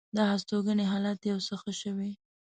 د هستوګنې حالت یو څه ښه شوی.